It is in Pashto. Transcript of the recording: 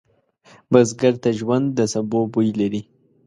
بزګر ته ژوند د سبو بوی لري